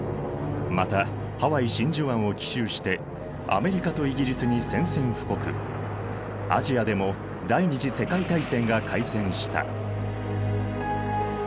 またハワイ真珠湾を奇襲してアメリカとイギリスに宣戦布告アジアでも第二次世界大戦が開戦した。